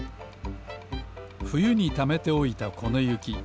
ふゆにためておいたこのゆき。